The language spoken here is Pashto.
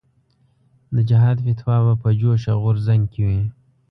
د جهاد فتوا به په جوش او غورځنګ کې وي.